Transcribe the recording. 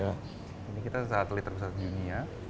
ini kita satelit terbesar di dunia